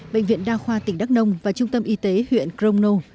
bệnh viện đa khoa tỉnh đắk nông và trung tâm y tế huyện crono